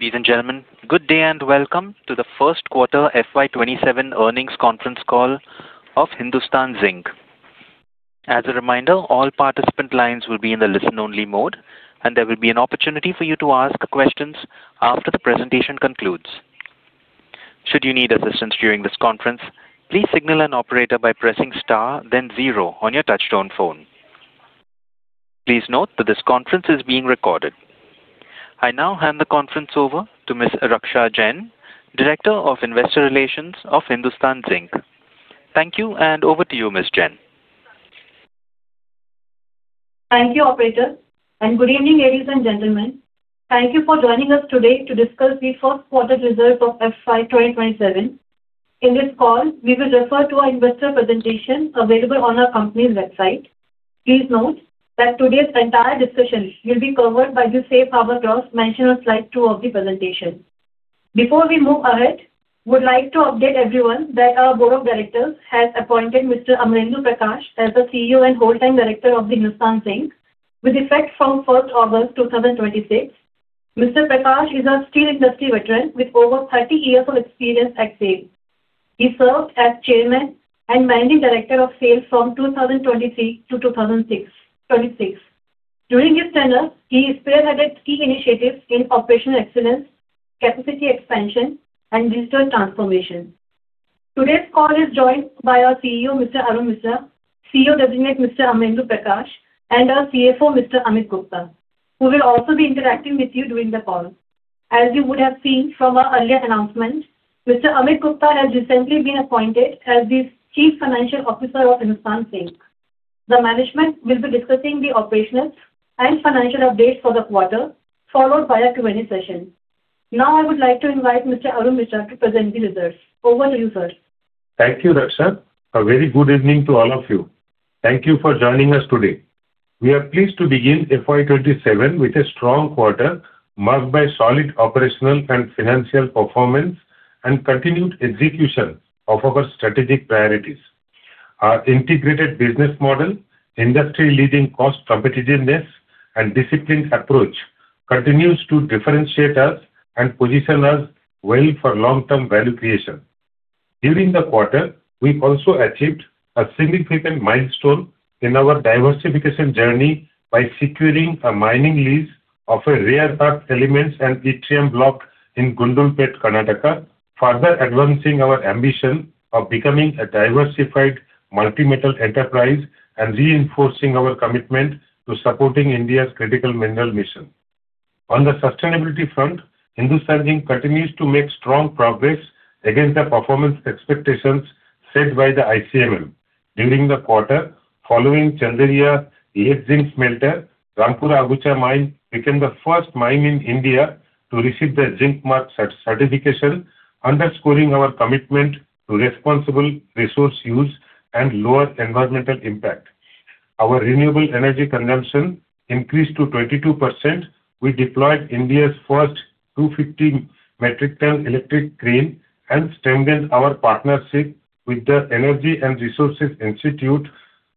Ladies and gentlemen, good day, and welcome to the Q1 FY 2027 Earnings Conference Call of Hindustan Zinc. As a reminder, all participant lines will be in the listen-only mode, and there will be an opportunity for you to ask questions after the presentation concludes. Should you need assistance during this conference, please signal an operator by pressing *0 on your touchtone phone. Please note that this conference is being recorded. I now hand the conference over to Ms. Raksha Jain, Director of Investor Relations of Hindustan Zinc. Thank you, and over to you, Ms. Jain. Thank you, operator, and good evening, ladies and gentlemen. Thank you for joining us today to discuss the Q1 results of FY 2027. In this call, we will refer to our investor presentation available on our company's website. Please note that today's entire discussion will be covered by the safe harbor clause mentioned on slide two of the presentation. Before we move ahead, we would like to update everyone that our Board of Directors has appointed Mr. Amarendu Prakash as the CEO and Whole-Time Director of Hindustan Zinc with effect from first August 2026. Mr. Prakash is our steel industry veteran with over 30 years of experience at SAIL. He served as Chairman and Managing Director of SAIL from 2023 to 2026. During his tenure, he spearheaded key initiatives in operational excellence, capacity expansion, and digital transformation. Today's call is joined by our CEO, Mr. Arun Misra, CEO Designate, Mr. Amarendu Prakash, and our CFO, Mr. Amit Gupta, who will also be interacting with you during the call. As you would have seen from our earlier announcement, Mr. Amit Gupta has recently been appointed as the Chief Financial Officer of Hindustan Zinc. The management will be discussing the operational and financial updates for the quarter, followed by a Q&A session. I would like to invite Mr. Arun Misra to present the results. Over to you, sir. Thank you, Raksha. A very good evening to all of you. Thank you for joining us today. We are pleased to begin FY 2027 with a strong quarter marked by solid operational and financial performance and continued execution of our strategic priorities. Our integrated business model, industry-leading cost competitiveness, and disciplined approach continues to differentiate us and position us well for long-term value creation. During the quarter, we also achieved a significant milestone in our diversification journey by securing a mining lease of a rare earth elements and yttrium block in Gundlupet, Karnataka, further advancing our ambition of becoming a diversified multi-metal enterprise and reinforcing our commitment to supporting India's Critical Mineral Mission. On the sustainability front, Hindustan Zinc continues to make strong progress against the performance expectations set by the ICMM. During the quarter, following Chanderiya Lead-Zinc smelter, Rampura Agucha Mine became the first mine in India to receive The Zinc Mark certification, underscoring our commitment to responsible resource use and lower environmental impact. Our renewable energy consumption increased to 22%. We deployed India's first 250 metric ton electric crane and strengthened our partnership with The Energy and Resources Institute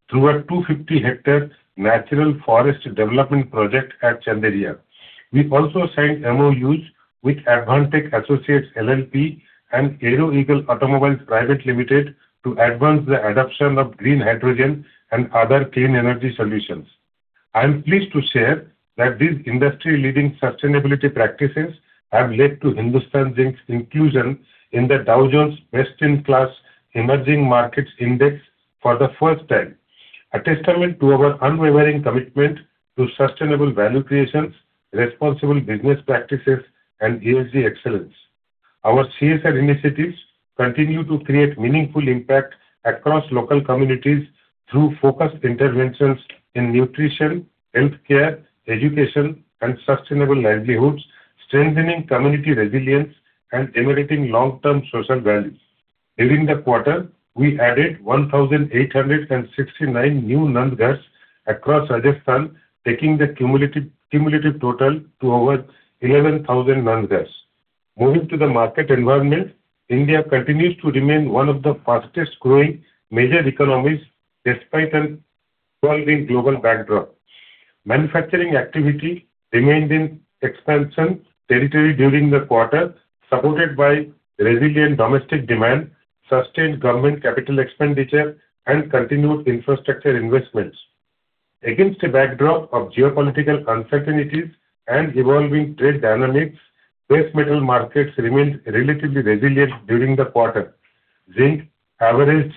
through a 250-hectare natural forest development project at Chanderiya. We've also signed MOUs with Advantech Associates LLP and Aeroeagle Automobiles Private Limited to advance the adoption of green hydrogen and other clean energy solutions. I am pleased to share that these industry-leading sustainability practices have led to Hindustan Zinc's inclusion in the Dow Jones Best-in-Class Emerging Markets Index for the first time, a testament to our unwavering commitment to sustainable value creation, responsible business practices, and ESG excellence. Our CSR initiatives continue to create meaningful impact across local communities through focused interventions in nutrition, healthcare, education, and sustainable livelihoods, strengthening community resilience and generating long-term social values. During the quarter, we added 1,869 new Nandghars across Rajasthan, taking the cumulative total to over 11,000 Nandghars. Moving to the market environment, India continues to remain one of the fastest-growing major economies despite an evolving global backdrop. Manufacturing activity remained in expansion territory during the quarter, supported by resilient domestic demand, sustained government capital expenditure, and continued infrastructure investments. Against a backdrop of geopolitical uncertainties and evolving trade dynamics, base metal markets remained relatively resilient during the quarter. Zinc averaged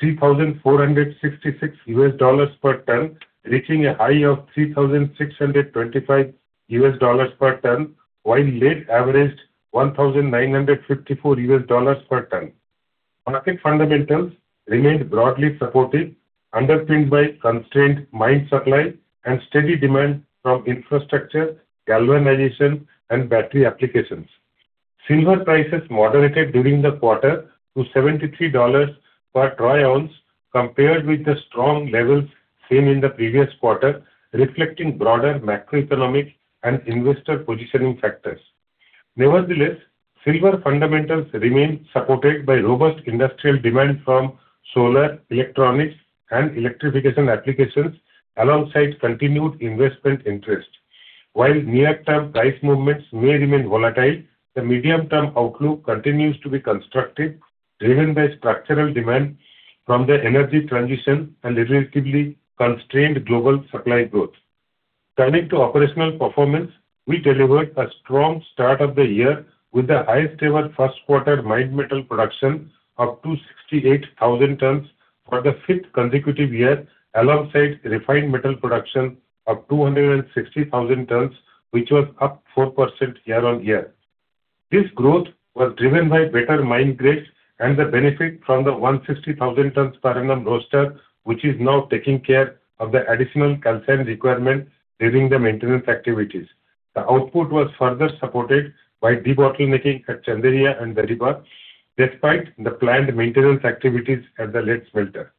$3,466 per ton, reaching a high of $3,625 per ton, while lead averaged $1,954 per ton. Market fundamentals remained broadly supportive, underpinned by constrained mine supply and steady demand from infrastructure, galvanization, and battery applications. Silver prices moderated during the quarter to $73 per troy ounce, compared with the strong levels seen in the previous quarter, reflecting broader macroeconomic and investor positioning factors. Nevertheless, silver fundamentals remain supported by robust industrial demand from solar, electronics, and electrification applications, alongside continued investment interest. While near-term price movements may remain volatile, the medium-term outlook continues to be constructive, driven by structural demand from the energy transition and relatively constrained global supply growth. Turning to operational performance, we delivered a strong start of the year with the highest ever first quarter mined metal production, up to 68,000 tons for the fifth consecutive year, alongside refined metal production of 260,000 tons, which was up 4% year-on-year. This growth was driven by better mined grades and the benefit from the 160,000 tons per annum roaster, which is now taking care of the additional concentrate requirement during the maintenance activities. The output was further supported by debottlenecking at Chanderiya and Dariba, despite the planned maintenance activities at the lead smelter.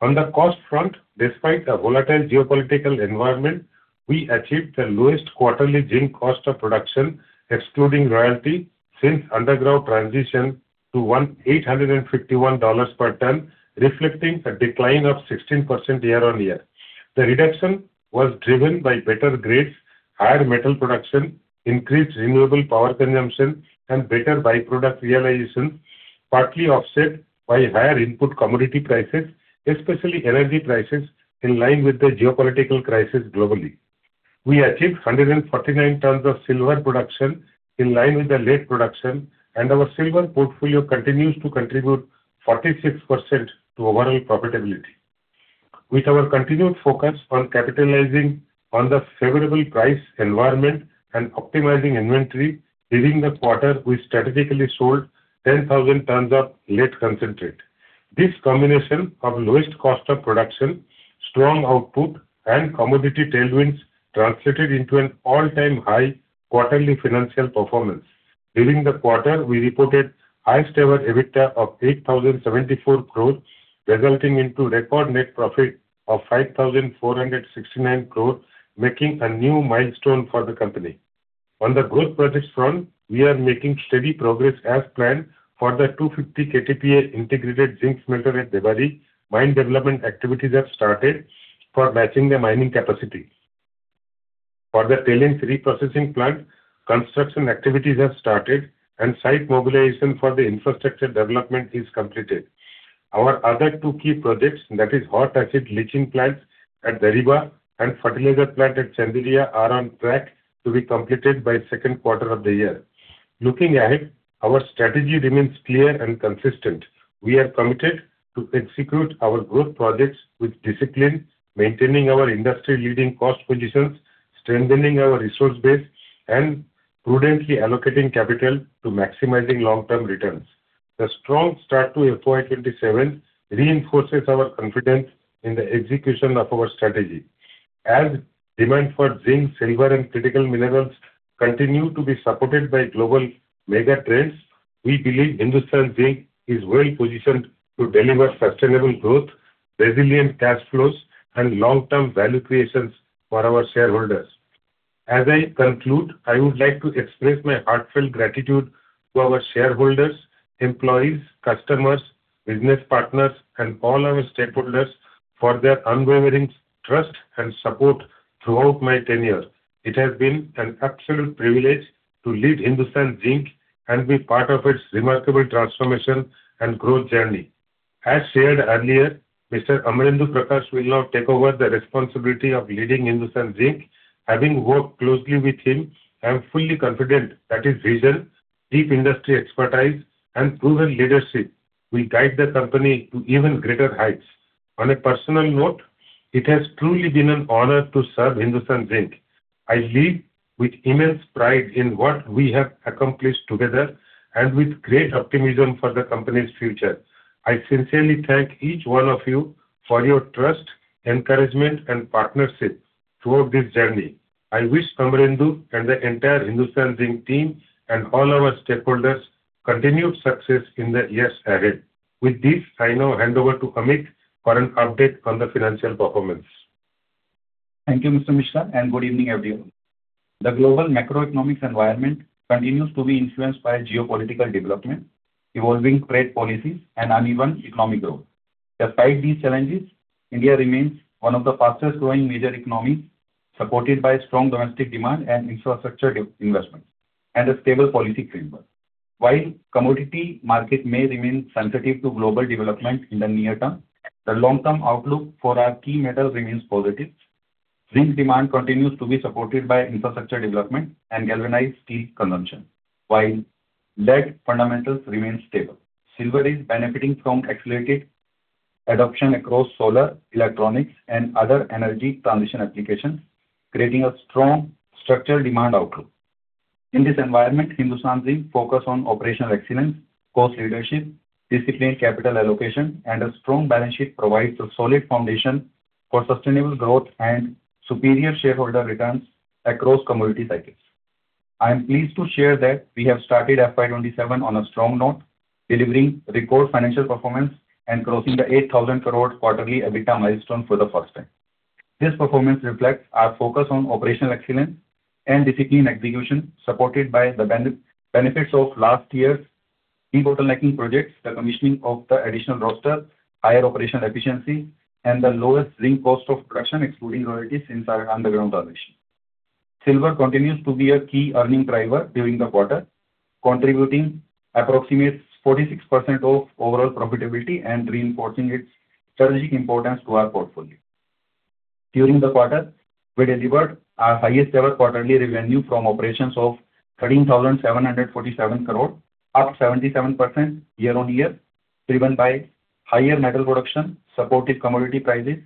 On the cost front, despite a volatile geopolitical environment, we achieved the lowest quarterly zinc cost of production, excluding royalty, since underground transition to $851 per ton, reflecting a decline of 16% year-on-year. The reduction was driven by better grades, higher metal production, increased renewable power consumption, and better by-product realization, partly offset by higher input commodity prices, especially energy prices, in line with the geopolitical crisis globally. We achieved 149 tons of silver production in line with the lead production, and our silver portfolio continues to contribute 46% to overall profitability. With our continued focus on capitalizing on the favorable price environment and optimizing inventory, during the quarter, we strategically sold 10,000 tons of lead concentrate. This combination of lowest cost of production, strong output, and commodity tailwinds translated into an all-time high quarterly financial performance. During the quarter, we reported highest ever EBITDA of 8,074 crore, resulting into record net profit of 5,469 crore, making a new milestone for the company. On the growth projects front, we are making steady progress as planned for the 250 KTPA integrated zinc smelter at Debari. Mine development activities have started for matching the mining capacity. For the tailing reprocessing plant, construction activities have started, and site mobilization for the infrastructure development is completed. Our other two key projects, that is hot acid leaching plants at Dariba and fertilizer plant at Chanderiya, are on track to be completed by Q2 of the year. Looking ahead, our strategy remains clear and consistent. We are committed to execute our growth projects with discipline, maintaining our industry leading cost positions, strengthening our resource base, and prudently allocating capital to maximizing long-term returns. The strong start to FY 2027 reinforces our confidence in the execution of our strategy. As demand for zinc, silver, and critical minerals continue to be supported by global mega trends, we believe Hindustan Zinc is well-positioned to deliver sustainable growth, resilient cash flows, and long-term value creations for our shareholders. As I conclude, I would like to express my heartfelt gratitude to our shareholders, employees, customers, business partners, and all our stakeholders for their unwavering trust and support throughout my tenure. It has been an absolute privilege to lead Hindustan Zinc and be part of its remarkable transformation and growth journey. As shared earlier, Mr. Amarendu Prakash will now take over the responsibility of leading Hindustan Zinc. Having worked closely with him, I am fully confident that his vision, deep industry expertise, and proven leadership will guide the company to even greater heights. On a personal note, it has truly been an honor to serve Hindustan Zinc. I leave with immense pride in what we have accomplished together and with great optimism for the company's future. I sincerely thank each one of you for your trust, encouragement, and partnership throughout this journey. I wish Amarendu and the entire Hindustan Zinc team and all our stakeholders continued success in the years ahead. With this, I now hand over to Amit for an update on the financial performance. Thank you, Mr. Misra, and good evening, everyone. The global macroeconomics environment continues to be influenced by geopolitical development, evolving trade policies, and uneven economic growth. Despite these challenges, India remains one of the fastest growing major economies, supported by strong domestic demand and infrastructure investments and a stable policy framework. While commodity market may remain sensitive to global development in the near term, the long-term outlook for our key metals remains positive. Zinc demand continues to be supported by infrastructure development and galvanized steel consumption. While lead fundamentals remain stable. Silver is benefiting from accelerated adoption across solar, electronics, and other energy transition applications, creating a strong structural demand outlook. In this environment, Hindustan Zinc focus on operational excellence, cost leadership, disciplined capital allocation, and a strong balance sheet provides a solid foundation for sustainable growth and superior shareholder returns across commodity cycles. I am pleased to share that we have started FY 2027 on a strong note, delivering record financial performance and crossing the 8,000 crore quarterly EBITDA milestone for the first time. This performance reflects our focus on operational excellence and disciplined execution, supported by the benefits of last year's de-bottlenecking projects, the commissioning of the additional roaster, higher operational efficiency, and the lowest zinc cost of production, excluding royalties, since our underground transition. Silver continues to be a key earning driver during the quarter, contributing approximate 46% of overall profitability and reinforcing its strategic importance to our portfolio. During the quarter, we delivered our highest-ever quarterly revenue from operations of 13,747 crore, up 77% year-on-year, driven by higher metal production, supportive commodity prices,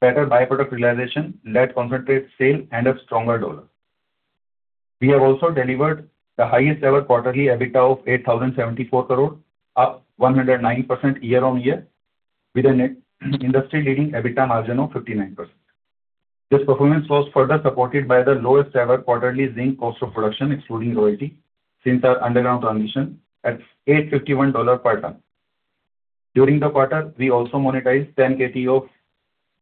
better by-product realization, lead concentrate sale, and a stronger dollar. We have also delivered the highest-ever quarterly EBITDA of 8,074 crore, up 109% year-on-year, with a net industry-leading EBITDA margin of 59%. This performance was further supported by the lowest-ever quarterly zinc cost of production, excluding royalty, since our underground transition at $851 per ton. During the quarter, we also monetized 10 KT of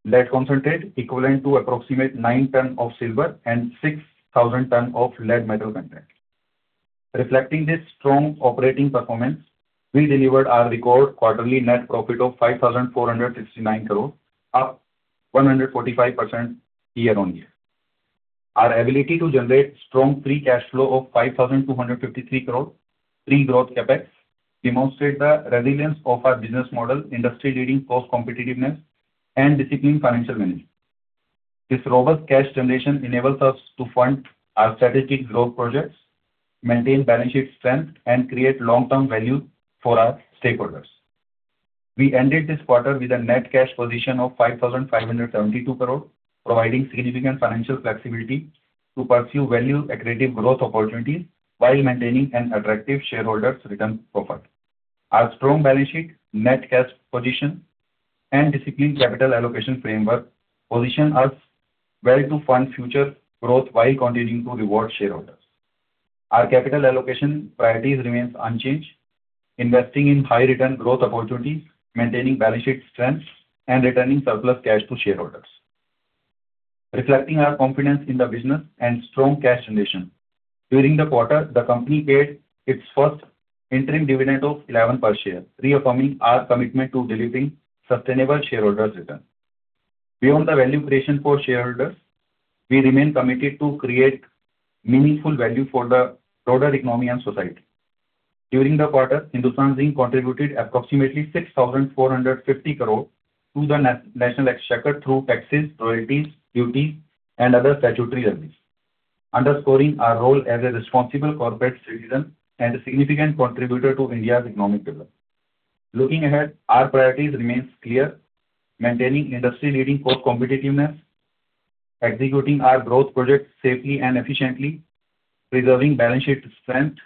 lead concentrate, equivalent to approximate nine ton of silver and 6,000 ton of lead metal content. Reflecting this strong operating performance, we delivered our record quarterly net profit of 5,469 crore, up 145% year-on-year. Our ability to generate strong free cash flow of 5,253 crore, pre growth CapEx, demonstrate the resilience of our business model, industry-leading cost competitiveness, and disciplined financial management. This robust cash generation enables us to fund our strategic growth projects, maintain balance sheet strength, and create long-term value for our stakeholders. We ended this quarter with a net cash position of 5,572 crore, providing significant financial flexibility to pursue value-accretive growth opportunities while maintaining an attractive shareholders' return profile. Our strong balance sheet, net cash position, and disciplined capital allocation framework position us well to fund future growth while continuing to reward shareholders. Our capital allocation priorities remains unchanged, investing in high-return growth opportunities, maintaining balance sheet strength, and returning surplus cash to shareholders. Reflecting our confidence in the business and strong cash generation, during the quarter, the company paid its first interim dividend of 11 per share, reaffirming our commitment to delivering sustainable shareholders' return. Beyond the value creation for shareholders, we remain committed to create meaningful value for the broader economy and society. During the quarter, Hindustan Zinc contributed approximately 6,450 crore to the national exchequer through taxes, royalties, duty, and other statutory levies, underscoring our role as a responsible corporate citizen and a significant contributor to India's economic development. Looking ahead, our priorities remains clear: maintaining industry-leading cost competitiveness, executing our growth projects safely and efficiently, preserving balance sheet strength,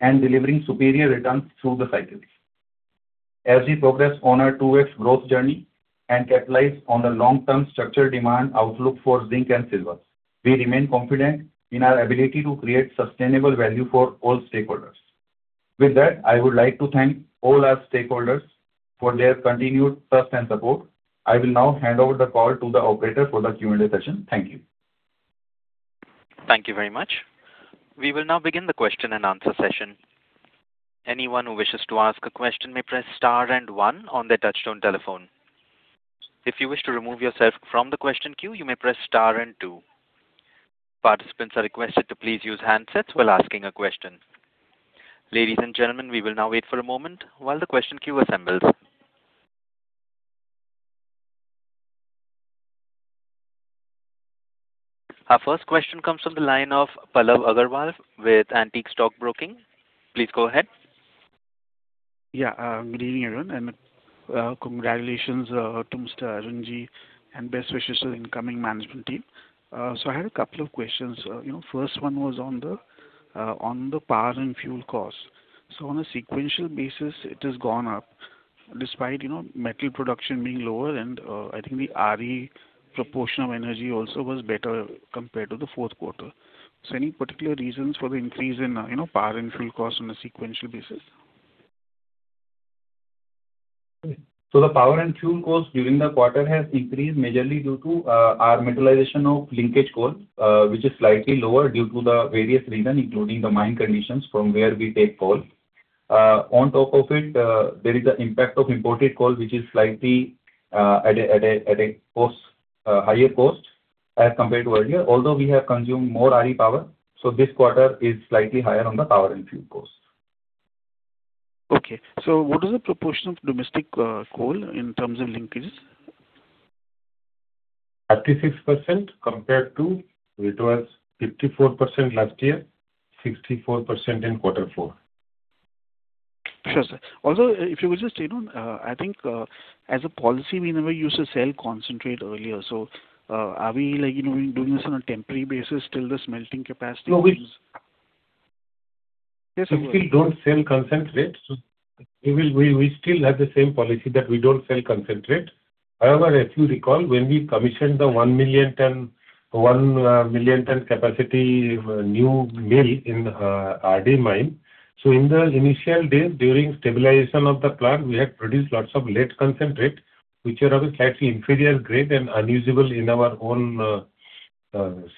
and delivering superior returns through the cycles. As we progress on our 2x growth journey and capitalize on the long-term structural demand outlook for zinc and silver, we remain confident in our ability to create sustainable value for all stakeholders. With that, I would like to thank all our stakeholders for their continued trust and support. I will now hand over the call to the operator for the Q&A session. Thank you. Thank you very much. We will now begin the question-and-answer session. Anyone who wishes to ask a question may press *1 on their touchtone telephone. If you wish to remove yourself from the question queue, you may press *2. Participants are requested to please use handsets while asking a question. Ladies and gentlemen, we will now wait for a moment while the question queue assembles. Our first question comes from the line of Pallav Agarwal with Antique Stock Broking. Please go ahead. Yeah. Good evening, everyone, and congratulations to Mr. Arun Ji, and best wishes to the incoming management team. I had a couple of questions. First one was on the power and fuel cost. On a sequential basis, it has gone up despite metal production being lower, and I think the RE proportion of energy also was better compared to the Q4. Any particular reasons for the increase in power and fuel cost on a sequential basis? The power and fuel cost during the quarter has increased majorly due to our realization of linkage coal, which is slightly lower due to the various reasons, including the mine conditions from where we take coal. On top of it, there is an impact of imported coal, which is slightly at a higher cost as compared to earlier, although we have consumed more RE power. This quarter is slightly higher on the power and fuel cost. Okay. What is the proportion of domestic coal in terms of linkages? 36% compared to, it was 54% last year, 64% in Q4. Sure, sir. If you would just, I think, as a policy, we never used to sell concentrate earlier. Are we doing this on a temporary basis till the smelting capacity comes We still don't sell concentrate. We still have the same policy that we don't sell concentrate. If you recall, when we commissioned the 1 million ton capacity new mill in RD mine. In the initial days, during stabilization of the plant, we had produced lots of lead concentrate, which are of a slightly inferior grade and unusable in our own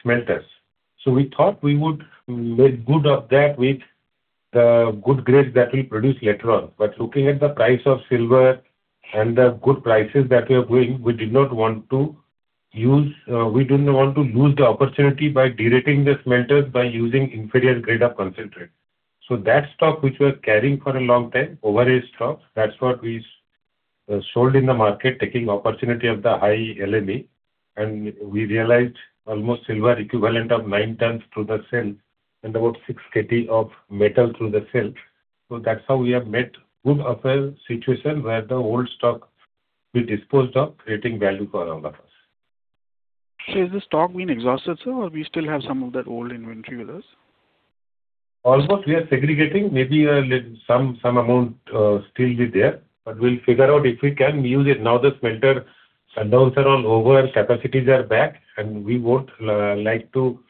smelters. We thought we would make good of that with the good grades that we produce later on. Looking at the price of silver and the good prices that we are doing, we didn't want to lose the opportunity by derating these smelters by using inferior grade of concentrate. That stock, which we were carrying for a long time, overage stock, that's what we sold in the market, taking opportunity of the high LME, and we realized almost silver equivalent of nine tons through the sale and about 6 KT of metal through the sale. That's how we have made good of a situation where the old stock we disposed of, creating value for all of us. Sure. Is the stock being exhausted, sir, or we still have some of that old inventory with us? Almost we are segregating, maybe some amount still is there, but we'll figure out if we can use it. Now the smelter shutdown are all over, capacities are back, and we won't like to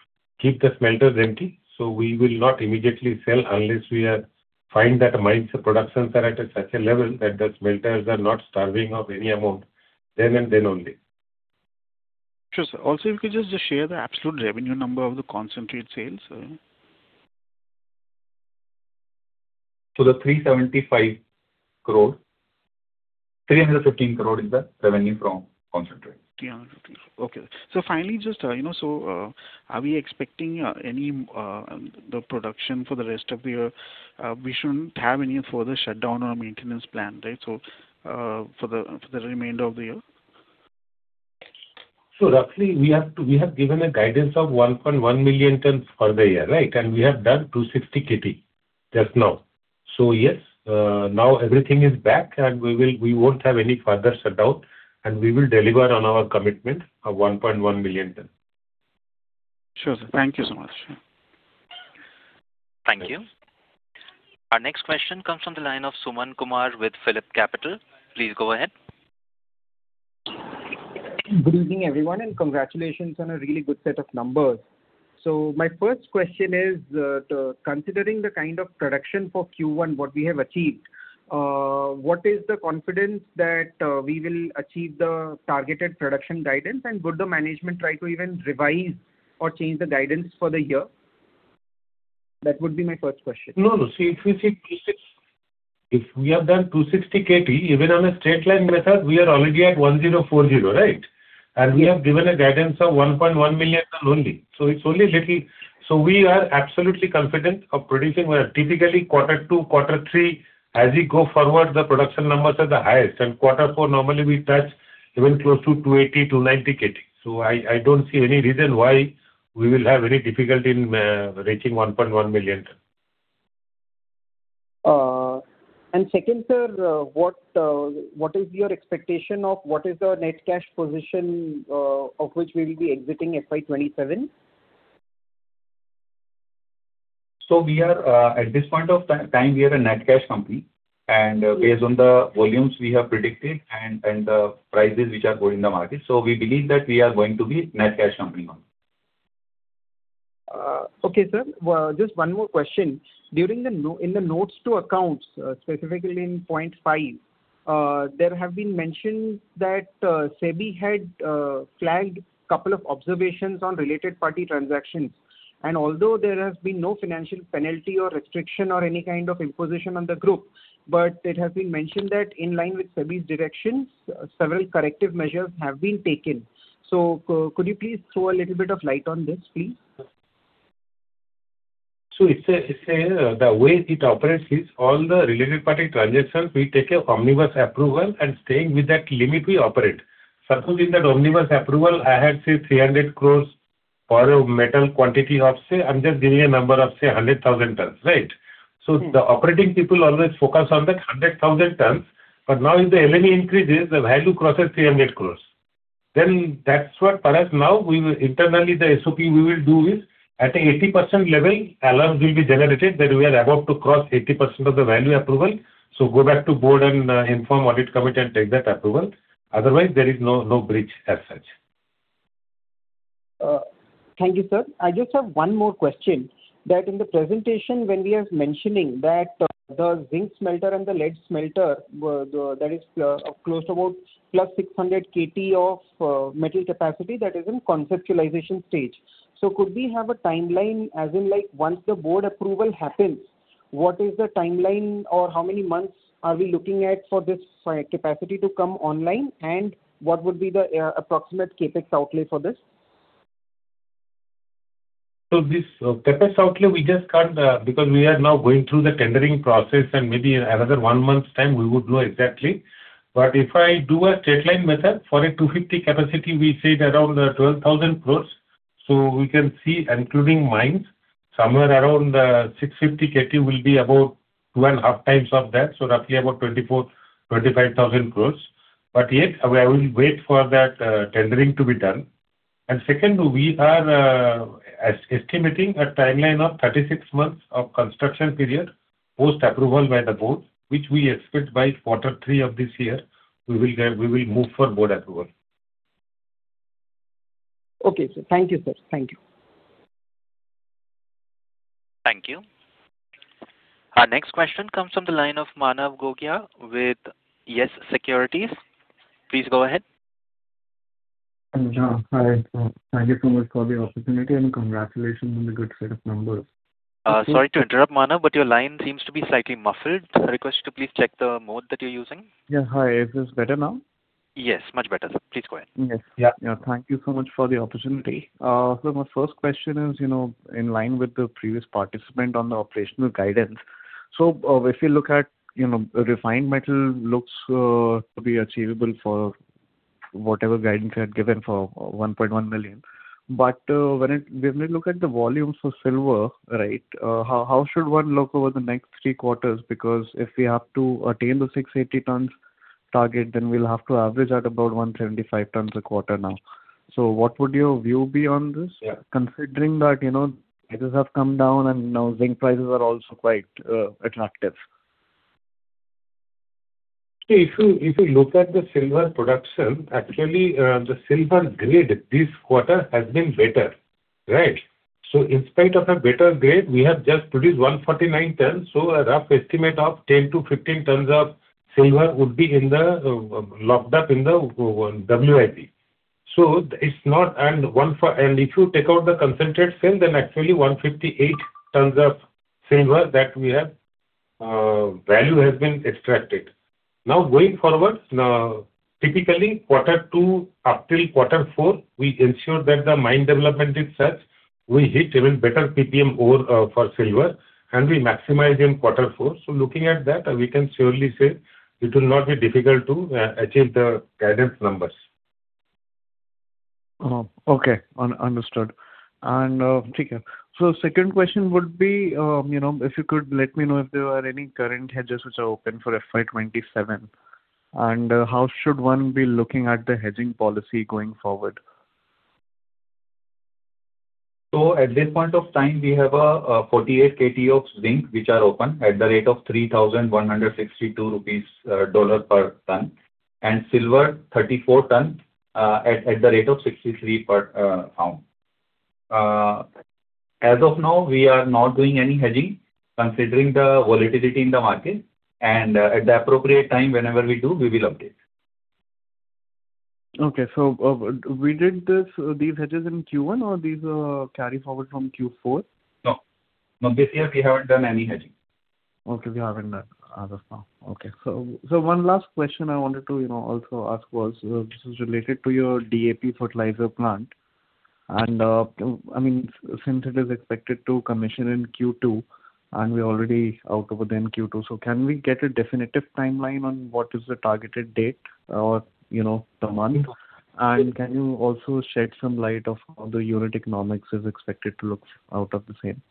keep the smelters empty, so we will not immediately sell unless we find that mines productions are at such a level that the smelters are not starving of any amount, then, and then only. Sure, sir. Also, if you could just share the absolute revenue number of the concentrate sales. The 315 crore is the revenue from concentrate. INR 315 crore. Okay. Finally, are we expecting any production for the rest of the year? We shouldn't have any further shutdown or maintenance plan, right, for the remainder of the year. Roughly, we have given a guidance of 1.1 million ton for the year, right? And we have done 260 KT just now. Yes, now everything is back and we won't have any further shutdown, and we will deliver on our commitment of 1.1 million ton. Sure, sir. Thank you so much. Thank you. Our next question comes from the line of Suman Kumar with PhillipCapital. Please go ahead. Good evening, everyone, and congratulations on a really good set of numbers. My first question is, considering the kind of production for Q1, what we have achieved, what is the confidence that we will achieve the targeted production guidance? Would the management try to even revise or change the guidance for the year? That would be my first question. No. See, if we see Q1, if we have done 260 KT, even on a straight line method, we are already at 1,040, right? We have given a guidance of 1.1 million ton only. It's only little. We are absolutely confident of producing where typically Q2, Q3, as we go forward, the production numbers are the highest. Q4, normally we touch even close to 280, 290 KT. I don't see any reason why we will have any difficulty in reaching 1.1 million ton. Second, sir, what is your expectation of what is the net cash position of which we will be exiting FY 2027? At this point of time, we are a net cash company. Based on the volumes we have predicted and the prices which are going in the market, we believe that we are going to be net cash company now. Okay, sir. Just one more question. In the notes to accounts, specifically in point 5, there have been mentioned that SEBI had flagged a couple of observations on related party transactions. Although there has been no financial penalty or restriction or any kind of imposition on the group, it has been mentioned that in line with SEBI's directions, several corrective measures have been taken. Could you please throw a little bit of light on this, please? The way it operates is, all the related party transactions, we take a omnibus approval and staying with that limit, we operate. Suppose in that omnibus approval, I had, say, 300 crore for a metal quantity of, say, I'm just giving a number of, say, 100,000 tons, right? The operating people always focus on that 100,000 tons. Now, if the LME increases, the value crosses 300 crore. That's what, for us now, internally the SOP we will do is, at a 80% level, alarms will be generated that we are about to cross 80% of the value approval. Go back to board and inform audit committee and take that approval. Otherwise, there is no breach as such. Thank you, sir. I just have one more question, that in the presentation, when we are mentioning that the zinc smelter and the lead smelter, that is close to about +600 KT of metal capacity, that is in conceptualization stage. Could we have a timeline, as in like once the board approval happens, what is the timeline, or how many months are we looking at for this capacity to come online, and what would be the approximate CapEx outlay for this? This CapEx outlay, we just can't, because we are now going through the tendering process, and maybe in another one month's time we would know exactly. If I do a straight line method, for a 250 capacity, we say around 12,000 crores. We can see, including mines, somewhere around 650 KT will be about two and a half times of that, so roughly about 24,000-25,000 crores. Yet, I will wait for that tendering to be done. Second, we are estimating a timeline of 36 months of construction period, post approval by the board, which we expect by Q3 of this year, we will move for board approval. Okay, sir. Thank you, sir. Thank you. Thank you. Our next question comes from the line of Manav Gogia with Yes Securities. Please go ahead. Hi. Thank you so much for the opportunity, and congratulations on the good set of numbers. Sorry to interrupt, Manav, your line seems to be slightly muffled. I request you to please check the mode that you're using. Yeah. Hi. Is this better now? Yes, much better, sir. Please go ahead. Yes. Thank you so much for the opportunity. My first question is in line with the previous participant on the operational guidance. If you look at refined metal, looks to be achievable for whatever guidance you had given for 1.1 million. When we look at the volumes for silver, how should one look over the next three quarters? Because if we have to attain the 680 tons target, then we'll have to average at about 175 tons a quarter now. What would your view be on this, considering that prices have come down and now zinc prices are also quite attractive. If you look at the silver production, actually, the silver grade this quarter has been better. In spite of a better grade, we have just produced 149 tons, a rough estimate of 10 to 15 tons of silver would be locked up in the WIP. If you take out the concentrate sale, then actually 158 tons of silver that we have, value has been extracted. Going forward, typically Q2 up till Q4, we ensure that the mine development is such, we hit even better PPM ore for silver, and we maximize in Q4. Looking at that, we can surely say it will not be difficult to achieve the guidance numbers. Okay. Understood. Second question would be, if you could let me know if there are any current hedges which are open for FY 2027, and how should one be looking at the hedging policy going forward. At this point of time, we have 48 KT of zinc which are open at the rate of USD 3,162 per ton, and silver 34 tons at the rate of 63 per ounce. As of now, we are not doing any hedging, considering the volatility in the market. At the appropriate time, whenever we do, we will update. Okay. We did these hedges in Q1, or these are carry forward from Q4? No. This year, we haven't done any hedging. Okay, we haven't done as of now. Okay. One last question I wanted to also ask was, this is related to your DAP fertilizer plant. Since it is expected to commission in Q2, and we're already out within Q2, can we get a definitive timeline on what is the targeted date or the month? Can you also shed some light of how the unit economics is expected to look out of the same?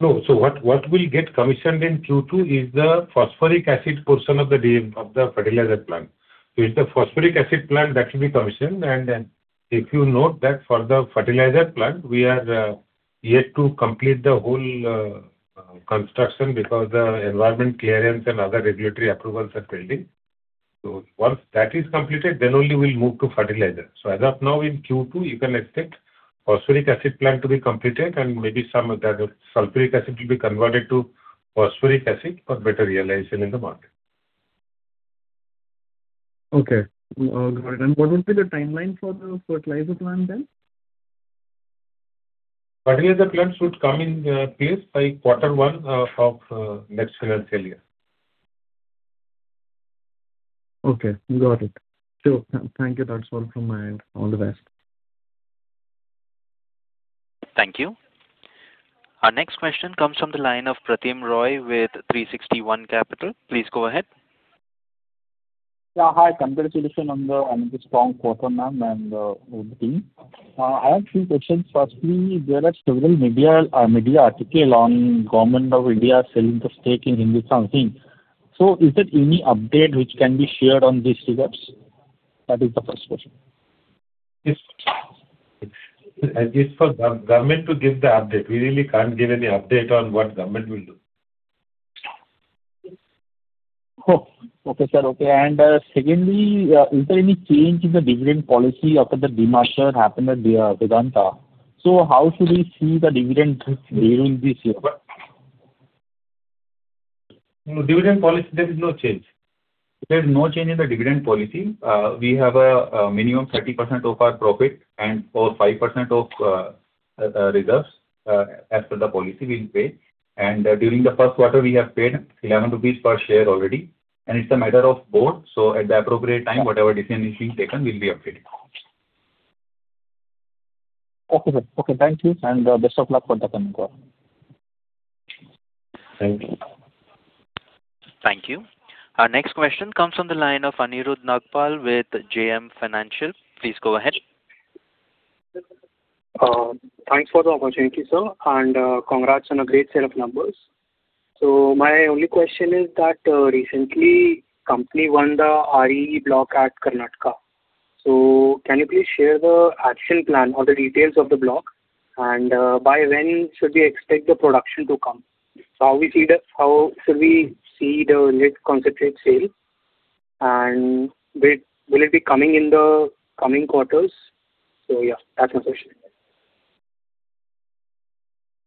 What will get commissioned in Q2 is the phosphoric acid portion of the fertilizer plant. It's the phosphoric acid plant that will be commissioned. If you note that for the fertilizer plant, we are yet to complete the whole construction because the environment clearance and other regulatory approvals are pending. Once that is completed, then only we'll move to fertilizer. As of now in Q2, you can expect phosphoric acid plant to be completed and maybe some of the sulfuric acid will be converted to phosphoric acid for better realization in the market. Okay. Got it. What would be the timeline for the fertilizer plant then? Fertilizer plant should come in place by Q1 of next financial year. Okay, got it. Sure. Thank you. That's all from my end. All the best. Thank you. Our next question comes from the line of Pratim Roy with 360 ONE Capital. Please go ahead. Yeah. Hi. Congratulations on the strong quarter, ma'am, and whole team. I have three questions. Firstly, there are several media article on Government of India selling the stake in Hindustan Zinc. Is there any update which can be shared on these figures? That is the first question. It's for government to give the update. We really can't give any update on what government will do. Okay, sir. Okay. Secondly, is there any change in the dividend policy after the demerger happened at Vedanta? How should we see the dividend paying this year? Dividend policy, there is no change. There is no change in the dividend policy. We have a minimum 30% of our profit and/or 5% of reserves, as per the policy we'll pay. During the first quarter, we have paid 11 rupees per share already. It's a matter of board. At the appropriate time, whatever decision is being taken, we'll be updating. Okay, sir. Okay, thank you, best of luck for the coming quarter. Thank you. Thank you. Our next question comes from the line of Anirudh Nagpal with JM Financial. Please go ahead. Thanks for the opportunity, sir, and congrats on a great set of numbers. My only question is that recently company won the RE block at Karnataka. Can you please share the action plan or the details of the block, and by when should we expect the production to come? How should we see the net concentrate sale? Will it be coming in the coming quarters? Yeah, that's my question.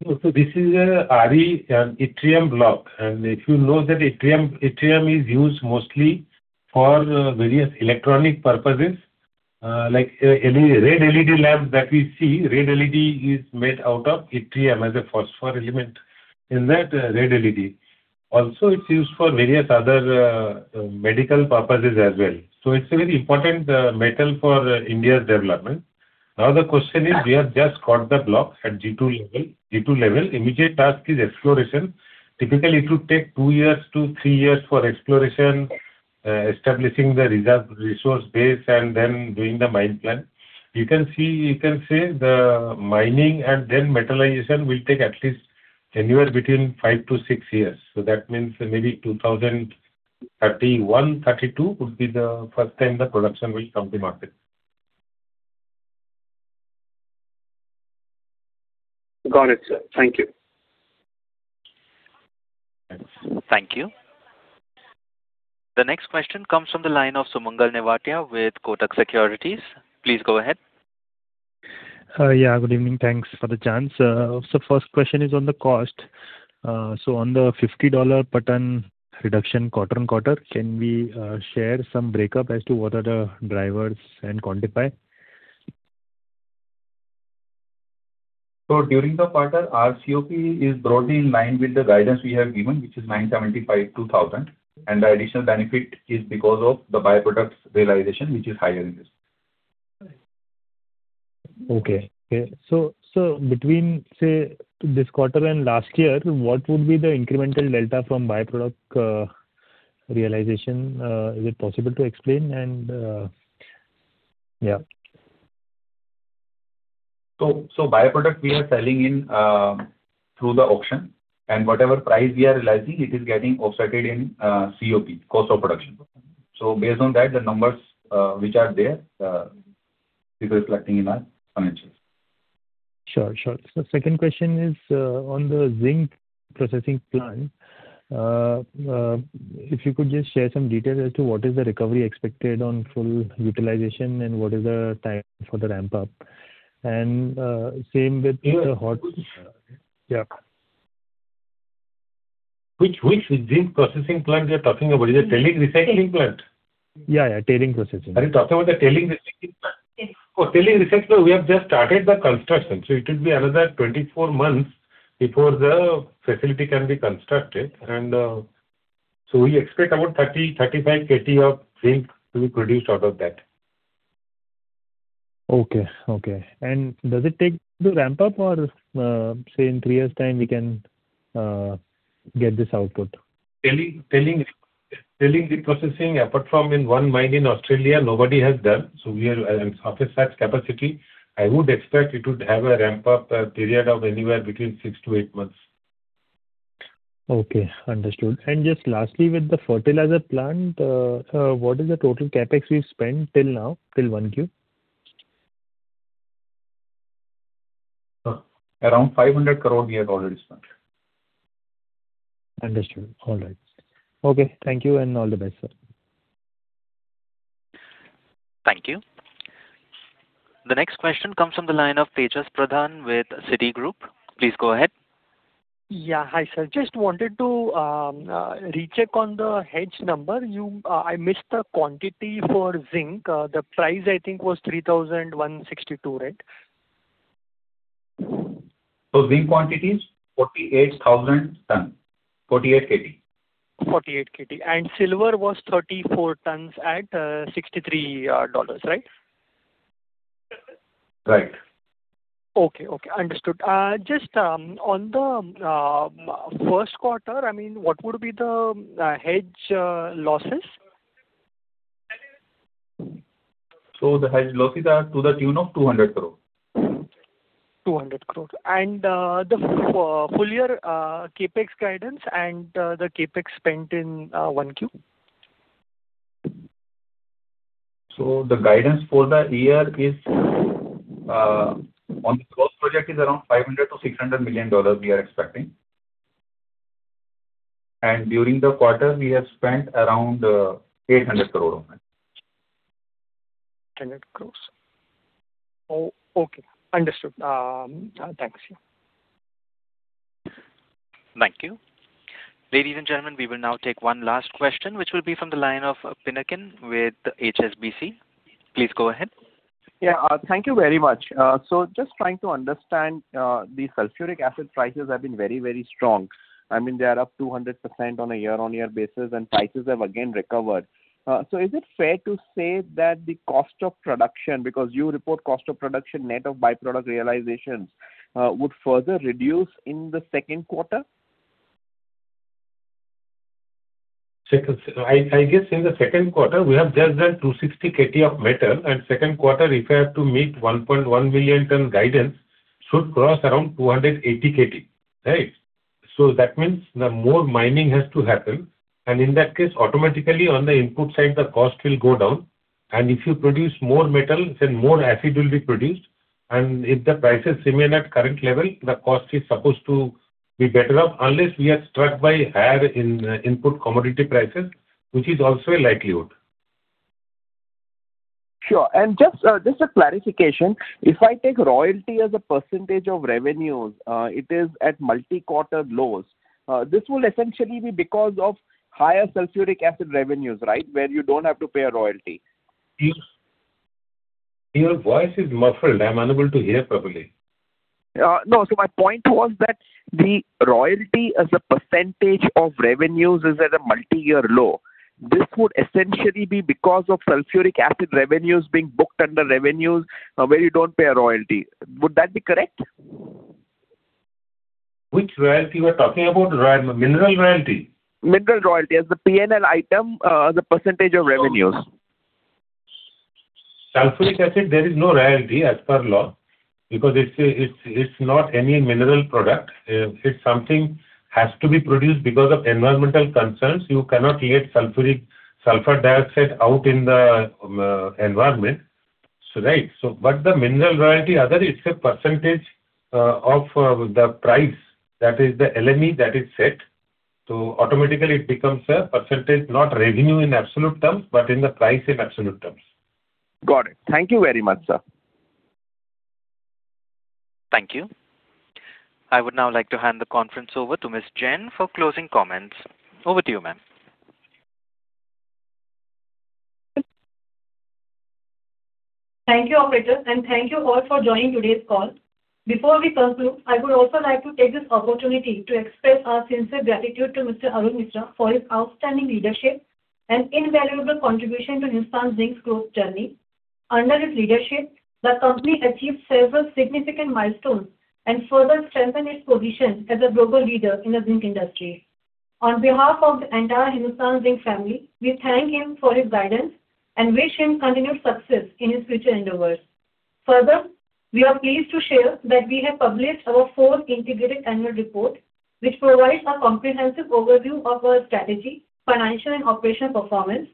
This is a RE yttrium block, if you know that yttrium is used mostly for various electronic purposes, like any red LED lamp that we see, red LED is made out of yttrium as a phosphor element in that red LED. It is used for various other medical purposes as well. It is a very important metal for India's development. The question is, we have just got the block at G2 level. Immediate task is exploration. Typically, it would take two years to three years for exploration, establishing the reserve resource base, and then doing the mine plan. You can say the mining and then metallization will take at least anywhere between five to six years. That means maybe 2031, 2032 would be the first time the production will come to market. Got it, sir. Thank you. Thank you. The next question comes from the line of Sumangal Nevatia with Kotak Securities. Please go ahead. Yeah, good evening. Thanks for the chance. First question is on the cost. On the $50 per ton reduction quarter-on-quarter, can we share some breakup as to what are the drivers, and quantify? During the quarter, our COP is broadly in line with the guidance we have given, which is $975-$1,000, and the additional benefit is because of the by-products realization, which is higher than this. Okay. Between, say, this quarter and last year, what would be the incremental delta from by-product realization? Is it possible to explain? Yeah. By-product we are selling through the auction, and whatever price we are realizing, it is getting offset in COP, cost of production. Based on that, the numbers which are there, we're reflecting in our financials. Sure. Second question is on the zinc processing plant. If you could just share some details as to what is the recovery expected on full utilization, and what is the time for the ramp-up. Same with the Which zinc processing plant we are talking about? Is it a tailing recycling plant? Yeah. Tailing processing. Are you talking about the tailing recycling plant? Yes. For tailing recycling, we have just started the construction, so it will be another 24 months before the facility can be constructed. We expect about 30, 35 KT of zinc to be produced out of that. Okay. Does it take to ramp up or, say, in three years' time we can get this output? Tailing reprocessing, apart from in one mine in Australia, nobody has done. We are at such capacity. I would expect it to have a ramp-up period of anywhere between six to eight months. Okay, understood. Just lastly, with the fertilizer plant, what is the total CapEx we've spent till now, till Q1? Around 500 crore we have already spent. Understood. All right. Okay, thank you and all the best, sir. Thank you. The next question comes from the line of Tejas Pradhan with Citi. Please go ahead. Yeah. Hi, sir. Just wanted to recheck on the hedge number. I missed the quantity for zinc. The price, I think, was $3,162, right? Zinc quantity is 48,000 ton, 48 KT. 48 KT. Silver was 34 tons at $63, right? Right. Okay. Understood. Just on the first quarter, what would be the hedge losses? The hedge losses are to the tune of 200 crore. 200 crore. The full year CapEx guidance and the CapEx spent in Q1? The guidance for the year is, on the gross project is around $500 million-$600 million we are expecting. During the quarter, we have spent around 800 crore rupees on that. 100 crore. Okay, understood. Thanks. Thank you. Ladies and gentlemen, we will now take one last question, which will be from the line of Pinakin with HSBC. Please go ahead. Yeah. Thank you very much. Just trying to understand, the sulfuric acid prices have been very, very strong. They are up 200% on a year-on-year basis, prices have again recovered. Is it fair to say that the cost of production, because you report cost of production net of by-product realizations, would further reduce in the Q2? I guess in the Q2, we have just done 260 KT of metal, Q2, if we have to meet 1.1 million ton guidance, should cross around 280 KT. Right? That means the more mining has to happen, in that case, automatically on the input side, the cost will go down. If you produce more metal, then more acid will be produced. If the price is similar at current level, the cost is supposed to be better off unless we are struck by higher input commodity prices, which is also a likelihood. Sure. Just a clarification. If I take royalty as a percentage of revenues, it is at multi-quarter lows. This will essentially be because of higher sulfuric acid revenues, right? Where you don't have to pay a royalty. Your voice is muffled. I'm unable to hear properly. No. My point was that the royalty as a percentage of revenues is at a multi-year low. This would essentially be because of sulfuric acid revenues being booked under revenues, where you don't pay a royalty. Would that be correct? Which royalty you are talking about? Mineral royalty? Mineral royalty. As the P&L item, the percentage of revenues. Sulfuric acid, there is no royalty as per law because it's not any mineral product. It's something has to be produced because of environmental concerns. You cannot create sulfur dioxide out in the environment. Right. The mineral royalty, as I said, percentage of the price, that is the LME that is set. Automatically it becomes a percentage, not revenue in absolute terms, but in the price in absolute terms. Got it. Thank you very much, sir. Thank you. I would now like to hand the conference over to Ms. Jain for closing comments. Over to you, ma'am. Thank you, operator, and thank you all for joining today's call. Before we conclude, I would also like to take this opportunity to express our sincere gratitude to Mr. Arun Misra for his outstanding leadership and invaluable contribution to Hindustan Zinc's growth journey. Under his leadership, the company achieved several significant milestones and further strengthened its position as a global leader in the zinc industry. On behalf of the entire Hindustan Zinc family, we thank him for his guidance and wish him continued success in his future endeavors. We are pleased to share that we have published our fourth integrated annual report, which provides a comprehensive overview of our strategy, financial and operational performance,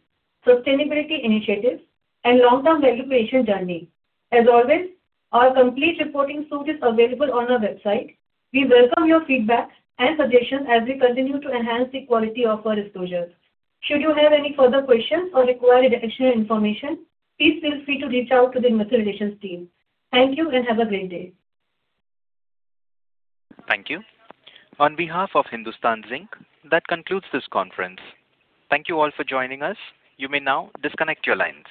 sustainability initiatives, and long-term value creation journey. As always, our complete reporting suite is available on our website. We welcome your feedback and suggestions as we continue to enhance the quality of our disclosures. Should you have any further questions or require additional information, please feel free to reach out to the investor relations team. Thank you and have a great day. Thank you. On behalf of Hindustan Zinc, that concludes this conference. Thank you all for joining us. You may now disconnect your lines.